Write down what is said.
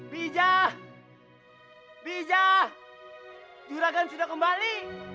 bijah bijah juragan sudah kembali